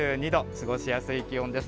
過ごしやすい気温です。